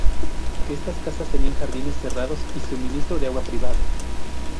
Estas casas tenían jardines cerrados y suministro de agua privado.